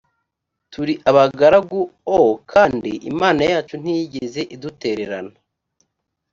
turi abagaragu o kandi imana yacu ntiyigeze idutererana